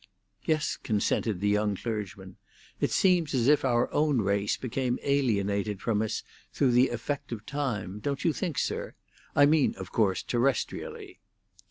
"Yes," consented the young clergyman. "It seems as if our own race became alienated from us through the mere effect of time, don't you think, sir? I mean, of course, terrestrially."